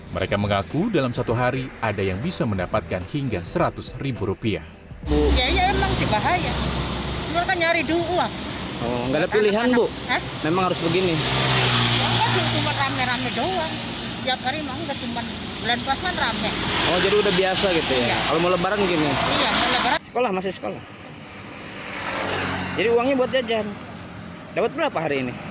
mereka mengaku dalam satu hari ada yang bisa mendapatkan hingga seratus ribu rupiah